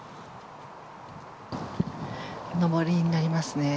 上りになりますね。